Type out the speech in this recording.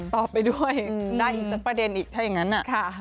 ตอบไปด้วยได้อีกสักประเด็นอีกถ้าอย่างนั้น